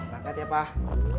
langkat ya pak